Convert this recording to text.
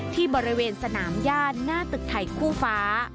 ที่บริเวณสนามย่านหน้าตึกไทยคู่ฟ้า